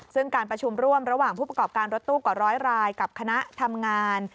ซึ่งการประชุมร่วมระหว่างผู้ประกอบการรถตู้กว่าร้อยรายกับคณะทำงาน